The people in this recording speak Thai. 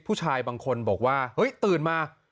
ผู้ชายบางคนบอกว่าเฮ้ยตื่นมา